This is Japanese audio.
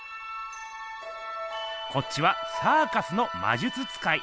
こっちはサーカスの魔術使い。